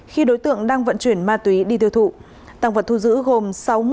khi đối tượng đang vận chuyển ma túy đi tiêu thụ